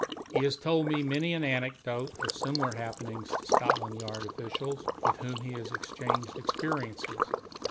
He has told me many an anecdote of singular happenings to Scotland Yard officials with whom he has exchanged experiences.